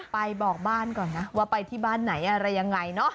ไปบอกบ้านก่อนนะว่าไปที่บ้านไหนอะไรยังไงเนอะ